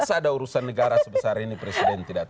masa ada urusan negara sebesar ini presiden tidak tahu